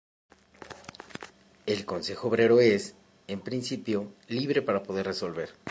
El consejo obrero es, en principio, libre para resolver.